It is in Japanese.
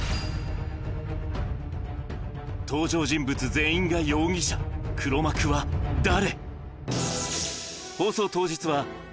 登場人物全員が容疑者黒幕は誰？